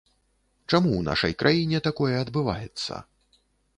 Чаму ў нашай краіне такое адбываецца?